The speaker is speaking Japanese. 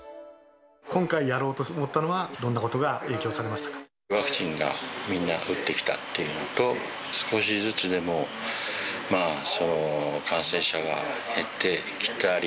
今回やろうと思ったのは、ワクチンをみんな打ってきたというのと、少しずつでも感染者が減ってきたり。